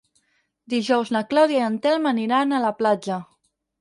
Dijous na Clàudia i en Telm aniran a la platja.